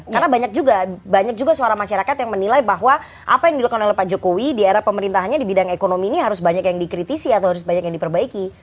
karena banyak juga suara masyarakat yang menilai bahwa apa yang dilakukan oleh pak jokowi di era pemerintahnya di bidang ekonomi ini harus banyak yang dikritisi atau harus banyak yang diperbaiki